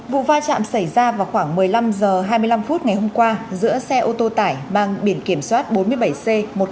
vụ vai trạm xảy ra vào khoảng một mươi năm h hai mươi năm ngày hôm qua giữa xe ô tô tải mang biển kiểm soát bốn mươi bảy c một mươi nghìn một trăm tám mươi ba